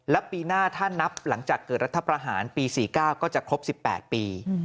และปีหน้าถ้านับหลังจากเกิดรัฐประหารปี๔๙ก็จะครบ๑๘ปี